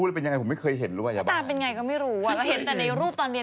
หัวถ่ายที่หายกับทริป